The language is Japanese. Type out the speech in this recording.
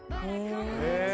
へえ！